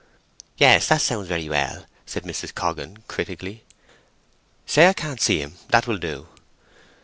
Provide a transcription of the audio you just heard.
"Yes—that sounds very well," said Mrs. Coggan, critically. "Say I can't see him—that will do."